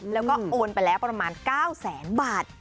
แล้วก็โอนไปแล้วประมาณ๙แสนบาท